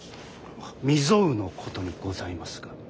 未曽有のことにございますが。